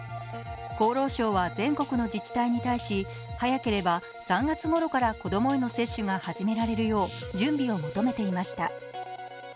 厚労省は全国の自治体に対し早ければ３月ごろから子供への接種が始められるよう準備を整えていました。